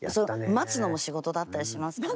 待つのも仕事だったりしますから。